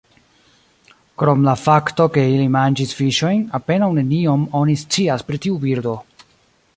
Krom la fakto ke ili manĝis fiŝojn, apenaŭ neniom oni scias pri tiu birdo.